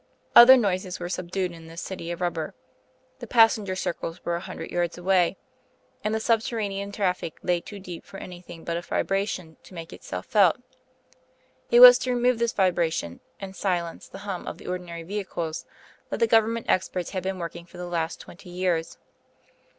Other noises were subdued in this city of rubber; the passenger circles were a hundred yards away, and the subterranean traffic lay too deep for anything but a vibration to make itself felt. It was to remove this vibration, and silence the hum of the ordinary vehicles, that the Government experts had been working for the last twenty years.